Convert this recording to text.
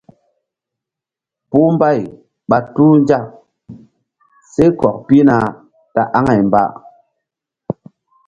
Puh mbay ɓa tu nzak she kɔk pihna ta aŋay mba.